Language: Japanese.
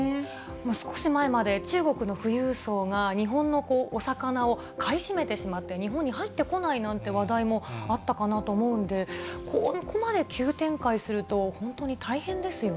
少し前まで中国の富裕層が、日本のお魚を買い占めてしまって、日本に入ってこないなんて話題もあったかなと思うんで、ここまで急展開すると、本当に大変ですよ